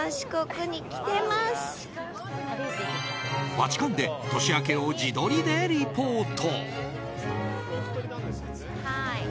バチカンで年明けを自撮りでリポート。